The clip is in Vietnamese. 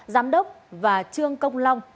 giám đốc và trương công long